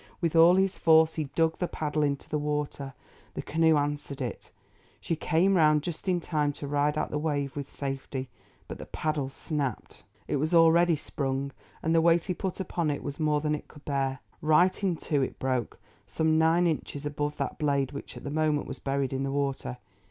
With all his force he dug the paddle into the water; the canoe answered to it; she came round just in time to ride out the wave with safety, but the paddle snapped. It was already sprung, and the weight he put upon it was more than it could bear. Right in two it broke, some nine inches above that blade which at the moment was buried in the water.